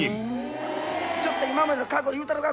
ちょっと今までの過去言うたろか？